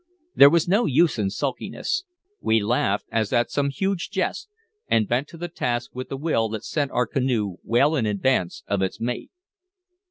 There was no use in sulkiness; we laughed as at some huge jest, and bent to the task with a will that sent our canoe well in advance of its mate.